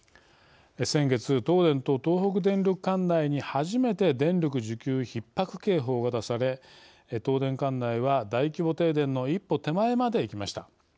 先月、東電と東北電力管内に初めて電力需給ひっ迫警報が出され東電管内は大規模停電の一歩手前までいきました。